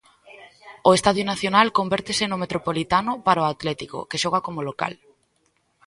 O Estadio Nacional convértese no Metropolitano para o Atlético, que xoga como local.